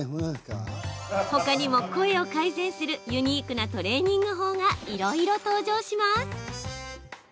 ほかにも、声を改善するユニークなトレーニング法がいろいろ登場します。